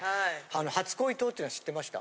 初恋糖ってのは知ってました？